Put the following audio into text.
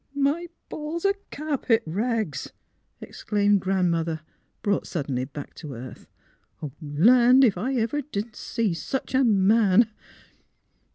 " My balls o' carpet rags! " exclaimed Grand mother, brought suddenly back to earth. '' Land, ef ever I see sech a man!